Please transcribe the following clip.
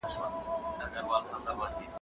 له لښکر سره رباب څنګه جنګیږي؟